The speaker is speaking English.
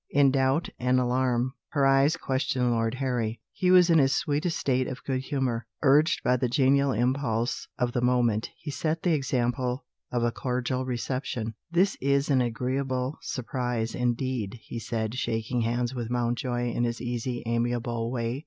In doubt and alarm, her eyes questioned Lord Harry. He was in his sweetest state of good humour. Urged by the genial impulse of the moment, he set the example of a cordial reception. "This is an agreeable surprise, indeed," he said, shaking hands with Mountjoy in his easy amiable way.